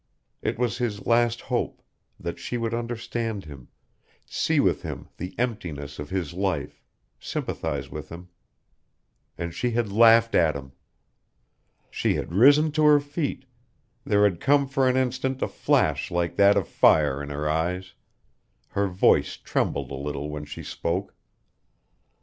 It was his last hope that she would understand him, see with him the emptiness of his life, sympathize with him. And she had laughed at him! She had risen to her feet; there had come for an instant a flash like that of fire in her eyes; her voice trembled a little when she spoke.